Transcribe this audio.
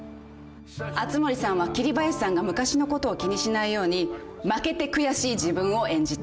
熱護さんは桐林さんが昔のことを気にしないように負けて悔しい自分を演じた。